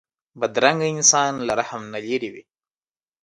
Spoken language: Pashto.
بدرنګه انسان له رحم نه لېرې وي